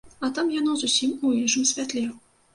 А там яно зусім у іншым святле.